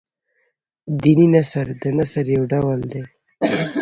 دیني نثر د نثر يو ډول دﺉ.